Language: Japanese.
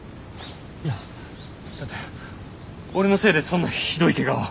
いやだって俺のせいでそんなひどいケガを。